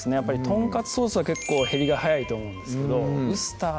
とんかつソースは結構減りが早いと思うんですけどウスター